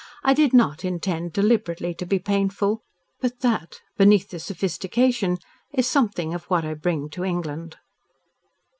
"I did not intend deliberately to be painful. But that beneath the sophistication is something of what I bring to England."